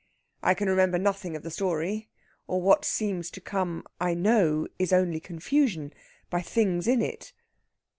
"I can remember nothing of the story; or what seems to come I know is only confusion ... by things in it...."